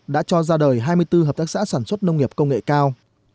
đã cho ra đời hai mươi bốn hợp tác xã sản xuất nông nghiệp công nghệ cao